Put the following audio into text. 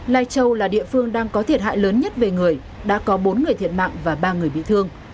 lai châu là địa phương đang có thiệt hại lớn nhất về người đã có bốn người thiệt mạng và ba người bị thương